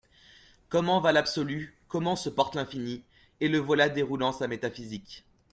Comment va l'Absolu, comment se porte l'Infini ? Et le voilà déroulant sa métaphysique.